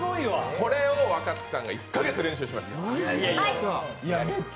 これを若槻さんが１か月練習しました。